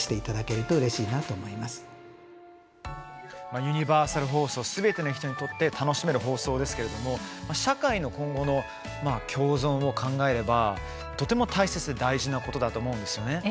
ユニバーサル放送すべての人にとって楽しめる放送ですけれども社会の今後の共存を考えればとても大切、大事なことだと思うんですよね。